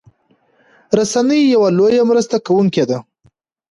رسنۍ يو لويه مرسته کوونکي دي